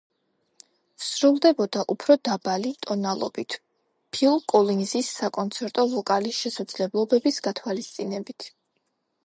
სრულდებოდა უფრო დაბალი ტონალობით, ფილ კოლინზის საკონცერტო ვოკალის შესაძლებლობების გათვალისწინებით.